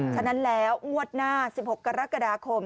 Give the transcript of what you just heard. ฉะนั้นแล้วงวดหน้า๑๖กรกฎาคม